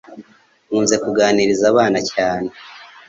Nkunze kuganiriza abana cyane